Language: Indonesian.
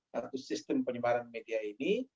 satu sistem penyebaran media ini